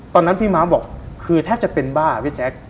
ตอนนั้นพี่ม้าบอกคือแทบจะเป็นบ้าพี่แจ๊ค